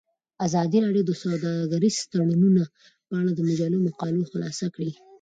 ازادي راډیو د سوداګریز تړونونه په اړه د مجلو مقالو خلاصه کړې.